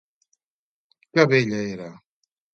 Que bella era!